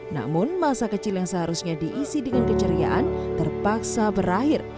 namun masa kecil yang seharusnya diisi dengan keceriaan terpaksa berakhir